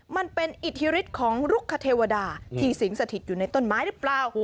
มันเป็นอิทธิฤทธิ์ของลุกคเทวดาที่สิงสถิตอยู่ในต้นไม้หรือเปล่า